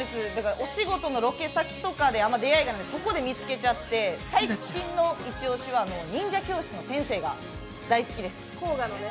お仕事のロケ先とかで出会いがあって、そこで見つけちゃって、最近のイチ押しは忍者教室の先生が大好きです。